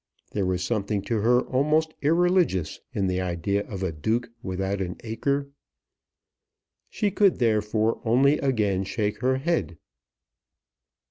There was something to her almost irreligious in the idea of a Duke without an acre. She could therefore only again shake her head.